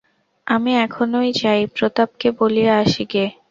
আমি এখনই যাই, প্রতাপকে বলিয়া আসি গে!